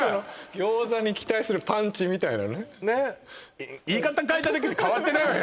餃子に期待するパンチみたいなねねっ言い方変えただけで変わってないわよ